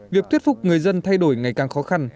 việc thuyết phục người dân thay đổi ngày càng khó khăn